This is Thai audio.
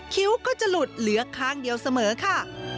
คิ้วก็จะหลุดเหลือข้างเดียวเสมอค่ะ